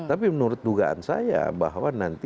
tapi menurut dugaan saya bahwa nanti